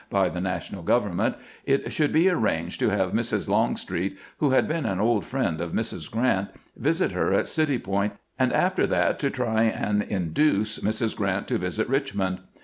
by the national government, it should be arranged to have Mrs. Longstreet, who had been an old friend of Mrs. Grrant, visit her at City Point, and after that to try and induce Mrs. Grant to visit Richmond.